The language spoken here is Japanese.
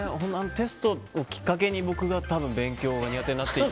テストをきっかけに僕が多分、勉強が苦手に。